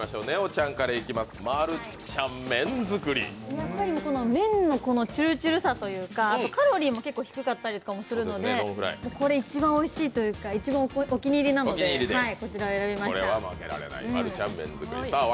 やっぱり麺のちゅるちゅるさというか、カロリーも結構低かったりするので、これが一番おいしいというか一番お気に入りなので、こちらを選びました。